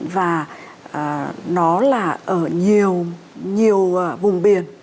và nó là ở nhiều vùng biển